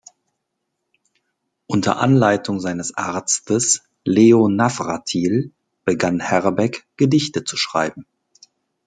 Unter Anleitung seines Arztes Leo Navratil begann Herbeck Gedichte zu schreiben.